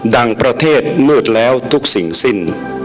ประเทศมืดแล้วทุกสิ่งสิ้น